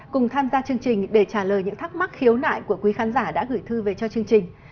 cùng tham gia chương trình để trả lời những thắc mắc khiếu nại của quý khán giả đã gửi thư về cho chương trình